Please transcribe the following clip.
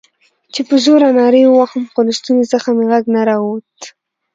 چې په زوره نارې ووهم، خو له ستوني څخه مې غږ نه راووت.